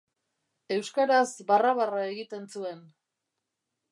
Euskaraz barra-barra egiten zuen.